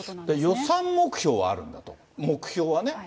予算目標はあるんだと、目標はね。